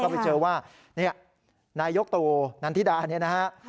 ไปเจอว่านายกตู่นันทิดาเนี่ยนะฮะ